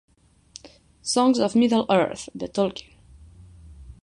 Songs of Middle-earth de Tolkien